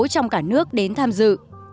trong cả nước đến tham dự